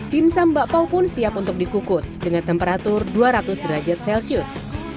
dimsum bakpao pun siap untuk dikukus dengan temperatur dua ratus derajat celcius